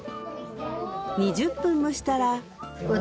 ２０分蒸したらうわ